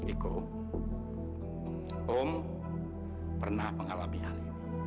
iko om pernah mengalami hal ini